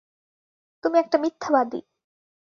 তুমি একটা মিথ্যাবাদী!